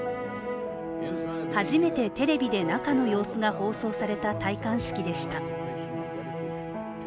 初めてテレビで中の様子が放送された戴冠式でした。